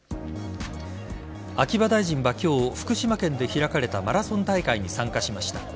秋葉大臣は今日福島県で開かれたマラソン大会に参加しました。